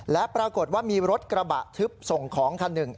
และปรากฏว่ามีรถกระบะทึบส่งของคันหนึ่ง